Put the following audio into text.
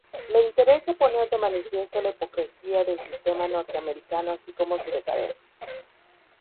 Le interesa poner de manifiesto la hipocresía del sistema norteamericano así como su decadencia.